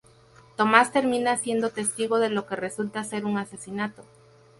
Thomas termina siendo testigo de lo que resulta ser su asesinato.